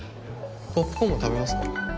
ポップコーンも食べますか？